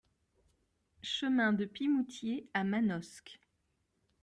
Chemin de Pimoutier à Manosque